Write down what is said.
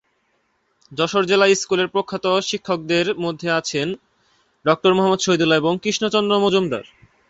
যশোর জেলা স্কুলের প্রখ্যাত শিক্ষকদের মধ্যে আছেন ডঃ মুহম্মদ শহীদুল্লাহ এবং কৃষ্ণ চন্দ্র মজুমদার।